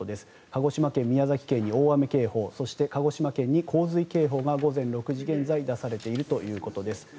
鹿児島県、宮崎県に大雨警報そして鹿児島県に洪水警報が午前６時現在出されているということです。